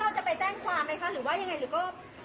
ค่ะแล้วเราจะไปแจ้งความไหมคะหรือว่ายังไงหรือก็